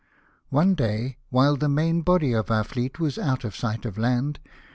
One day, while the main body of our fleet was out of sight of land.